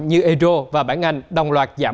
như eur và bảng anh đồng loạt giảm một